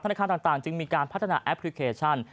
ธนาคารต่างจึงมีการพัฒนาแอปพลิเคชัน